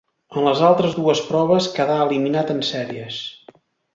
En les altres dues proves quedà eliminat en sèries.